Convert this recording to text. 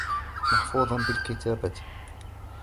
مَحْفُوظًا بِالْكِتَابَةِ